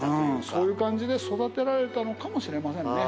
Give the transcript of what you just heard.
そういう感じで育てられたのかもしれませんね。